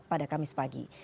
pada kamis pagi